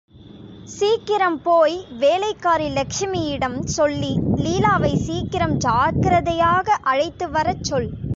சீக்கிரம்போய் வேலைக்காரி லெகஷ்மியிடம் சொல்லி லீலாவை சீக்கிரம் ஜாக்கிரதையாக அழைத்துவரச் சொல்.